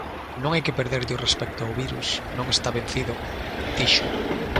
"Non hai que perderlle o respecto ao virus, non está vencido", dixo.